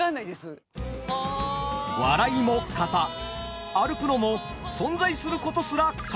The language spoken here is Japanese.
笑いも型歩くのも存在することすら型。